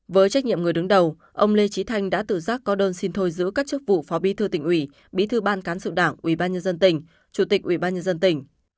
với trách nhiệm người đứng đầu ông lê trí thanh đã tự giác có đơn xin thôi giữ các chức vụ phó bí thư tỉnh ủy bí thư ban cán sự đảng ủy ban nhân dân tỉnh chủ tịch ủy ban nhân dân tỉnh